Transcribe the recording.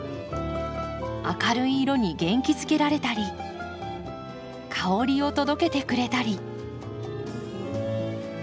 明るい色に元気づけられたり香りを届けてくれたり。